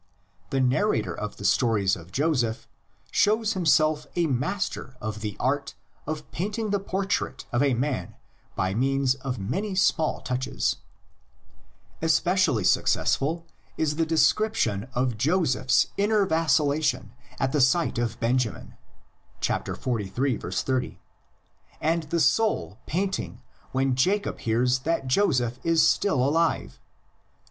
The narrator of the stories of Joseph shows himself a master of the art of painting the portrait of a man by means of many small touches. Especially sue 86 THE LEGENDS OF GENESIS. cessful is the description of Joseph's inner vacilla tion at the sight of Benjamin (xliii. 30), and the soul painting when Jacob hears that Joseph is still alive (xlv.